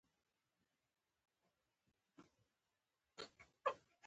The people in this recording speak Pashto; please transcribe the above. کلاخ کلي کې ګاګرې ډېرې دي.